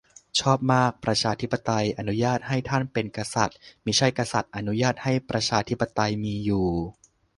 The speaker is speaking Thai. ชอบมาก " ประชาธิปไตยอนุญาตให้ท่านเป็นกษัติย์ มิใช่กษัติย์อนุญาตให้ประชาธิปไตยมีอยู่ "